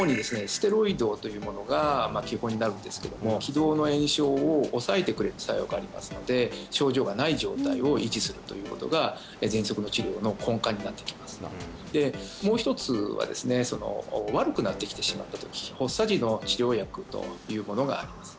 ステロイドというものが基本になるんですけども気道の炎症を抑えてくれる作用がありますので症状がない状態を維持するということが喘息の治療の根幹になってきますでもう一つはですね悪くなってきてしまった時発作時の治療薬というものがあります